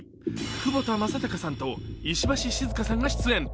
窪田正孝さんと石橋静河さんが出演。